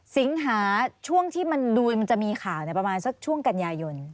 สิงหาช่วงที่มันดูมันจะมีข่าวประมาณสักช่วงกันยายน